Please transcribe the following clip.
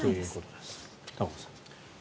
玉川さん。